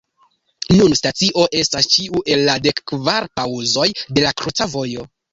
Nun stacio estas ĉiu el la dekkvar paŭzoj de la kruca vojo.